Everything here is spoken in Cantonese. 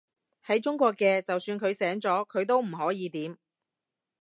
喺中國嘅，就算佢醒咗，佢都唔可以點